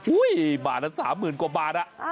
อุ๊ยบาทนั้น๓๐๐๐๐กว่าบาท